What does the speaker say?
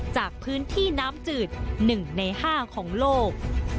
จากพื้นที่น้ำจืด๑ใน๕ของโลก